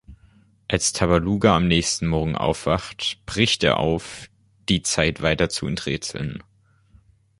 Als Tabaluga am nächsten Morgen aufwacht, bricht er auf, die Zeit weiter zu enträtseln.